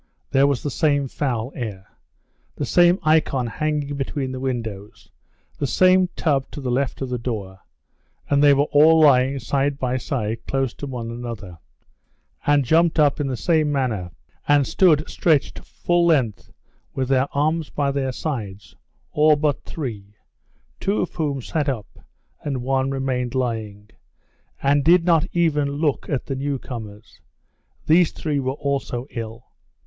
There was the same foul air, the same icon hanging between the windows, the same tub to the left of the door, and they were all lying side by side close to one another, and jumped up in the same manner and stood stretched full length with their arms by their sides, all but three, two of whom sat up and one remained lying, and did not even look at the newcomers; these three were also ill.